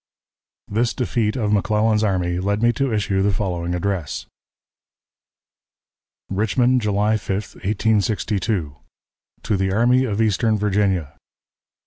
This defeat of McClellan's army led me to issue the following address: "RICHMOND, July 5, 1862. "_To the Army of Eastern Virginia.